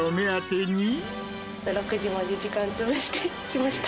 ６時まで、時間潰して来ました。